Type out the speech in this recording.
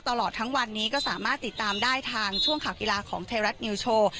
ตลอดทั้งวันนี้ก็สามารถติดตามได้ทางช่วงข่าวกีฬาของไทยรัฐนิวโชว์